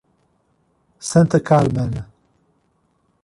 Santa Carmem